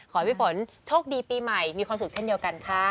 ขอให้พี่ฝนโชคดีปีใหม่มีความสุขเช่นเดียวกันค่ะ